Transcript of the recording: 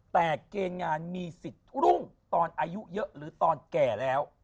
แต่เกณฑ์งานมีสิทธิ์รุ่งตอนอายุเยอะหรือตอนแก่แล้ว